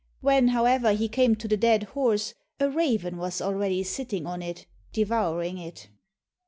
When, however, he came to the dead horse a raven was already sitting on it devouring it.